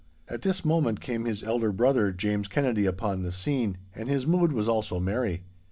At this moment came his elder brother, James Kennedy, upon the scene, and his mood was also merry.